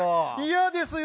嫌ですよ。